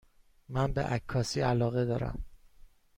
من به عکاسی علاقه دارم.